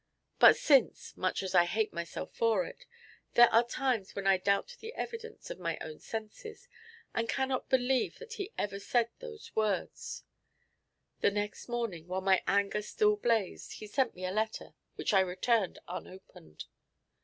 But since, much as I hate myself for it, there are times when I doubt the evidence of my own senses, and cannot believe that he ever said those words. The next morning, while my anger still blazed, he sent me a letter, which I returned unopened.